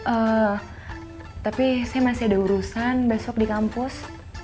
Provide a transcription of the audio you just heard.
eh tapi saya masih ada urusan besok di kampus